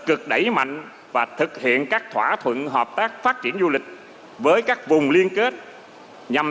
cực đẩy mạnh và thực hiện các thỏa thuận hợp tác phát triển du lịch với các vùng liên kết nhằm